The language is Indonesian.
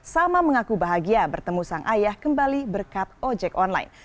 sama mengaku bahagia bertemu sang ayah kembali berkat ojek online